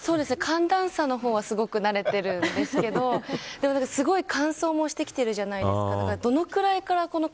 寒暖差の方はすごく慣れてるんですけどすごい乾燥もしてきてるじゃないですか。